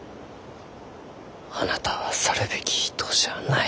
あなたは去るべき人じゃない。